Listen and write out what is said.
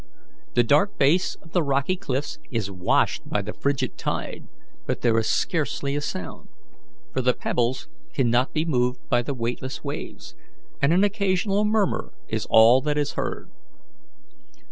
The dark base of the rocky cliffs is washed by the frigid tide, but there is scarcely a sound, for the pebbles cannot be moved by the weightless waves, and an occasional murmur is all that is heard.